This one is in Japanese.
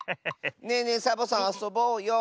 ねえねえサボさんあそぼうよ。